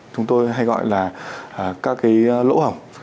chúng tôi hay gọi là các cái lỗ hỏng